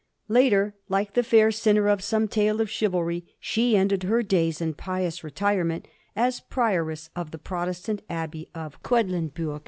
Later, like the fair sinner of some tale of chivaby, she ended her days in pious retirement as prioress of the Protestant Abbey at Quedlinburg.